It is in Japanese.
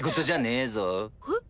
えっ？